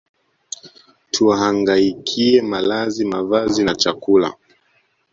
tuhangaikie malazi mavazi na chakula